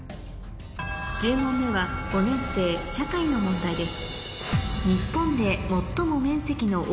１０問目は５年生社会の問題です